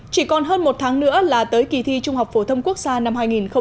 chỉ còn hơn một tháng nữa là tới kỳ thi trung học phổ thông quốc gia năm hai nghìn một mươi tám